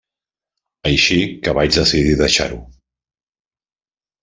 Així que vaig decidir deixar-ho.